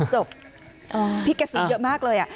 จบพี่แกสูงเยอะมากเลย